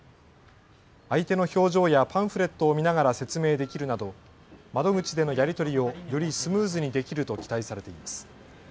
相手の表情やパンフレットを見ながら説明できるなど窓口でのやり取りをよりスムーズにできると期待されています。